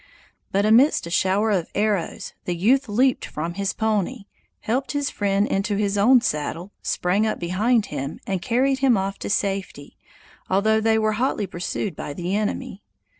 But amidst a shower of arrows the youth leaped from his pony, helped his friend into his own saddle, sprang up behind him, and carried him off in safety, although they were hotly pursued by the enemy.